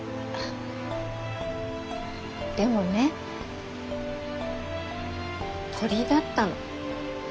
でもね鳥だったの。